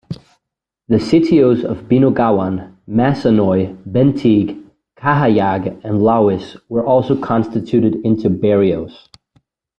The sitios of Binogawan, Masonoy, Bentig, Cahayag, and Lawis were also constituted into barrios.